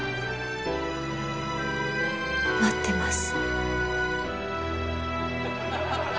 待ってます。